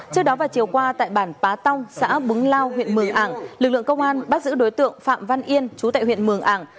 trước đó vào chiều qua tại bản pá tóng xã búng lao huyện mường ảng lực lượng công an bắt giữ đối tượng phạm văn yên chú tại huyện mường ảng